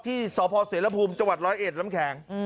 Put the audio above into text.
ที่สเสรภูมิจร้อยเอ็ดล้ำแขง